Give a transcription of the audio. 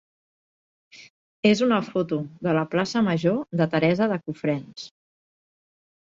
és una foto de la plaça major de Teresa de Cofrents.